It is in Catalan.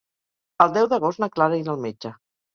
El deu d'agost na Clara irà al metge.